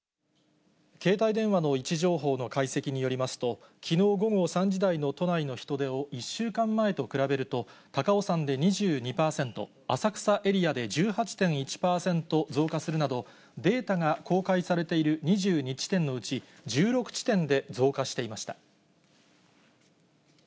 携帯電話の位置情報の解析によりますと、きのう午後３時台の都内の人出を１週間前と比べると、高尾山で２２％、浅草エリアで１８．１％増加するなど、データが公開されている２２地点のうち、１６地点で増加していました。